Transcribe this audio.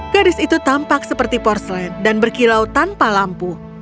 gadis itu tampak seperti porselen dan berkilau tanpa lampu